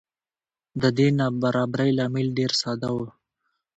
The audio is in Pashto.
د دې نابرابرۍ لامل ډېره ساده و.